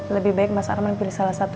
lebih baik mas arman pilih salah satu